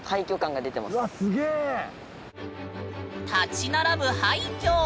立ち並ぶ廃虚。